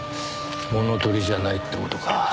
物盗りじゃないって事か。